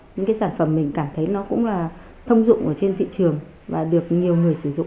những cái sản phẩm mình cảm thấy nó cũng là thông dụng ở trên thị trường và được nhiều người sử dụng